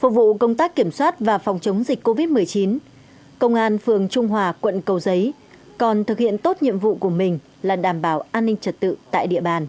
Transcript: phục vụ công tác kiểm soát và phòng chống dịch covid một mươi chín công an phường trung hòa quận cầu giấy còn thực hiện tốt nhiệm vụ của mình là đảm bảo an ninh trở tự tại địa bàn